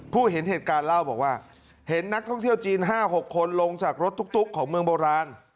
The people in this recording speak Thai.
เห็นเหตุการณ์เล่าบอกว่าเห็นนักท่องเที่ยวจีน๕๖คนลงจากรถตุ๊กของเมืองโบราณ